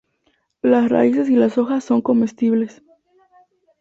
Las raíces y las hojas son comestibles.